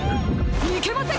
いけません！